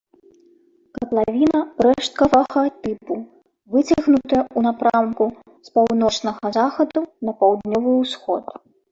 Катлавіна рэшткавага тыпу, выцягнутая ў напрамку з паўночнага захаду на паўднёвы ўсход.